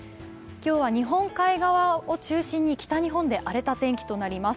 今日は日本海側を中心に北日本で荒れた天気となります。